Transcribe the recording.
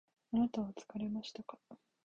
あなたは疲れましたか？